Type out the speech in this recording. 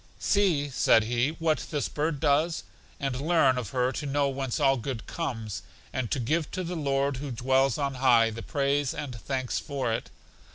See, said he, what this bird does, and learn of her to know whence all good comes, and to give to the Lord who dwells on high, the praise and thanks for it.